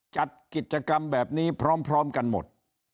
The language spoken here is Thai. จัดกิจกรรมแบบนี้พร้อมกันหมด